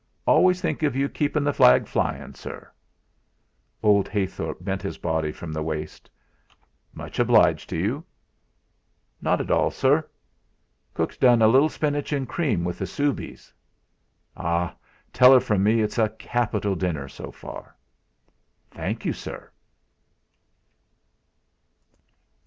"Always think of you keepin' the flag flying', sir." Old Heythorp bent his body from the waist. "Much obliged to you." "Not at all, sir. Cook's done a little spinach in cream with the soubees." "Ah! Tell her from me it's a capital dinner, so far." "Thank you, sir."